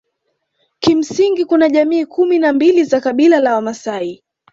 Kimsingi kuna jamii kumi na mbili za kabila la Wamasai